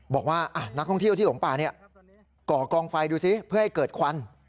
บอกว่านักท่องเที่ยวที่หลงป่าเนี่ยก่อกองไฟดูซิเพื่อให้เกิดควัน